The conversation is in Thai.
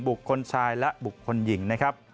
บุกคนชายและบุกคนหญิง